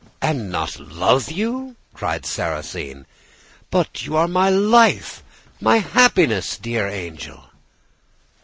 "'And not love you!' cried Sarrasine; 'but you are my life, my happiness, dear angel!